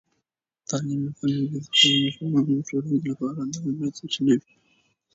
تعلیم یافته میندې د خپلو ماشومانو او ټولنې لپاره د امید سرچینه وي.